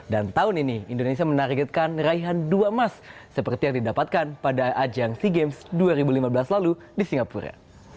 dan tahun ini indonesia menargetkan raihan dua emas seperti yang didapatkan pada ajang sea games dua ribu lima belas lalu di singapura